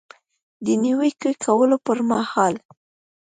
د نیوکې کولو پر مهال